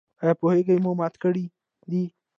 ایا پرهیز مو مات کړی دی؟